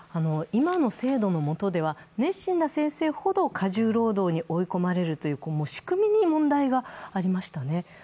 今の制度の下では熱心な先生ほど過重労働に追い込まれるという仕組みに問題がありましたね。